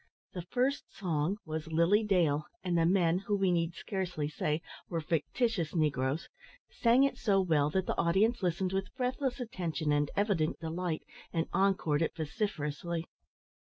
The first song was "Lilly Dale," and the men, who, we need scarcely say, were fictitious negroes, sang it so well that the audience listened with breathless attention and evident delight, and encored it vociferously.